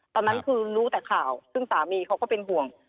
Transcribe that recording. ตอนนั้นคือรู้แต่ข่าวซึ่งสามีเขาก็เป็นห่วง